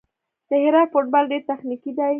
د هرات فوټبال ډېر تخنیکي دی.